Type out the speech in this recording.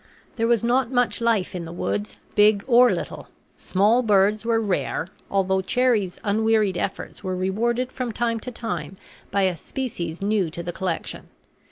There was not much life in the woods, big or little. Small birds were rare, although Cherrie's unwearied efforts were rewarded from time to time by a species new to the collection.